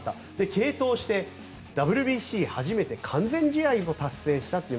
継投して、ＷＢＣ初めて完全試合を達成したという。